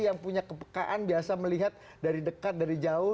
yang punya kepekaan biasa melihat dari dekat dari jauh